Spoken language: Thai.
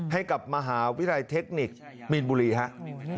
ให้กับมหาวิทยาลัยเทคนิคมีนบุรีครับ